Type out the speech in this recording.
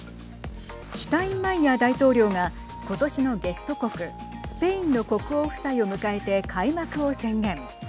シュタインマイヤー大統領が今年のゲスト国スペインの国王夫妻を迎えて開幕を宣言。